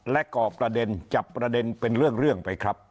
และก่อประเด็นจับประเด็นเป็นเรื่องไปครับ